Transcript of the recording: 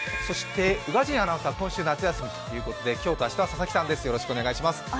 宇賀神もアナウンサーは今週夏休みということで今日と明日は佐々木さんです。